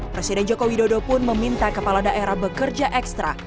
presiden joko widodo pun meminta kepala daerah bekerja ekstra